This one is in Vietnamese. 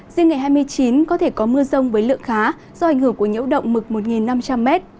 riêng ngày hai mươi chín có thể có mưa rông với lượng khá do ảnh hưởng của nhiễu động mực một năm trăm linh m